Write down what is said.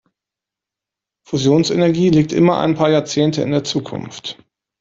Fusionsenergie liegt immer ein paar Jahrzehnte in der Zukunft.